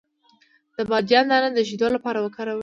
د بادیان دانه د شیدو لپاره وکاروئ